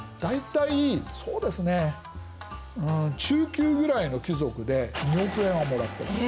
中級ぐらいの貴族で２億円はもらってます。